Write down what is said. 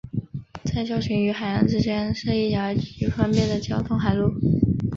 在礁群与海岸之间是一条极方便的交通海路。